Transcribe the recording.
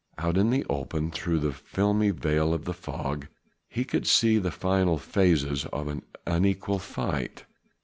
Out in the open through the filmy veil of the fog he could see the final phases of an unequal fight.